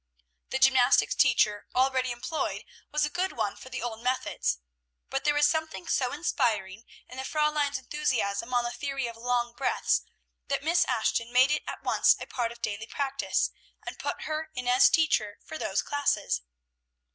The gymnastic teacher already employed was a good one for the old methods; but there was something so inspiring in the Fräulein's enthusiasm on the theory of long breaths, that Miss Ashton made it at once a part of daily practice, and put her in as teacher for those classes.